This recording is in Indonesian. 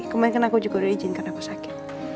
kemungkinan aku juga udah izin karena aku sakit